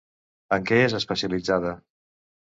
En què és especialitzada?